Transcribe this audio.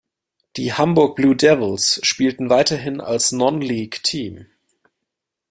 Die "Hamburg Blue Devils" spielten weiterhin als Non-League-Team.